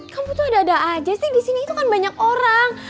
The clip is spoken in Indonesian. kamu tuh ada ada aja sih di sini itu kan banyak orang